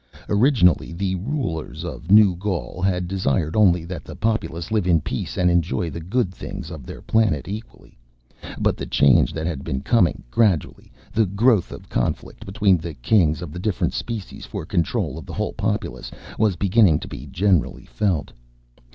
Originally the rulers of New Gaul had desired only that the populace live in peace and enjoy the good things of their planet equally. But the change that had been coming gradually the growth of conflict between the Kings of the different species for control of the whole populace was beginning to be generally felt.